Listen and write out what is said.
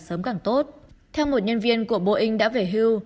sớm càng tốt theo một nhân viên của boeing đã về hưu